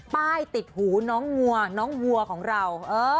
ป้ายติดหูน้องวัวน้องวัวของเรา